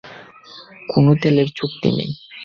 কোনও তেলের চুক্তি নেই।